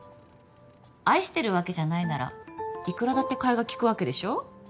愛してるわけじゃないならいくらだってかえがきくわけでしょ？